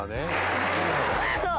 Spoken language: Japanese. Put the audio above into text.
そう。